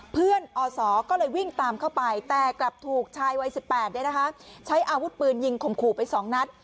อศก็เลยวิ่งตามเข้าไปแต่กลับถูกชายวัย๑๘ใช้อาวุธปืนยิงข่มขู่ไป๒นัด